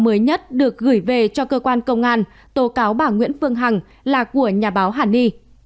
bài báo mới nhất được gửi về cho cơ quan công an tố cáo bà nguyễn phương hằng là của nhà báo hàn ni